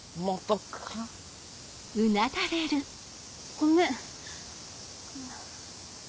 ごめん！